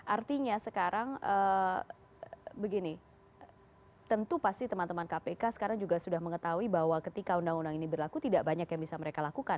artinya sekarang begini tentu pasti teman teman kpk sekarang juga sudah mengetahui bahwa ketika undang undang ini berlaku tidak banyak yang bisa mereka lakukan